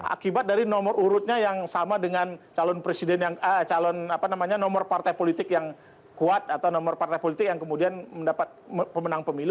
akibat dari nomor urutnya yang sama dengan calon presiden calon nomor partai politik yang kuat atau nomor partai politik yang kemudian mendapat pemenang pemilu